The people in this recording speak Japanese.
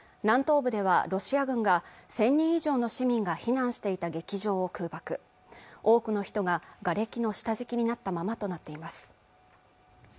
南東部ではロシア軍が１０００人以上の市民が避難していた劇場を空爆多くの人ががれきの下敷きになったままとなっています